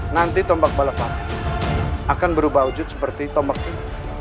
nanti tombak balapan akan berubah wujud seperti tombak ini